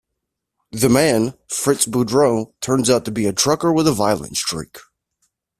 The man, Fritz Boudreau, turns out to be a trucker with a violent streak.